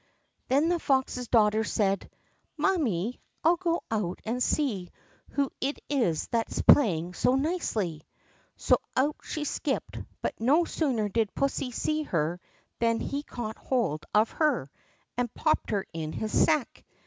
Then the fox's daughter said: "Mammy, I'll go out and see who it is that is playing so nicely!" So out she skipped, but no sooner did pussy see her than he caught hold of her and popped her into his sack.